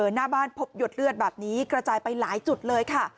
หน้าบ้านพบหยดเลือดแบบนี้กระจายไปหลายจุดเลยค่ะ